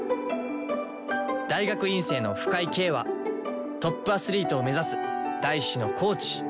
大学院生の深井京はトップアスリートを目指す大志のコーチ。